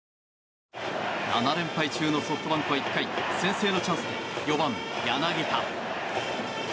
７連敗中のソフトバンクは１回先制のチャンスで４番、柳田。